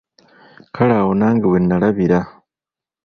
Kale awo nange wennalabira.